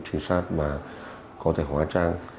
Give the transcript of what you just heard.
chuyên sát mà có thể hóa trang